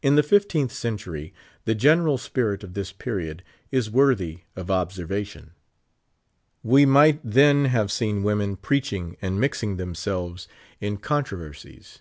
In the fifteenth century, the general spirit of this period is worthy of observation. We might then have seen women preaching and mixing tbemselves in con 4« 78 troversies.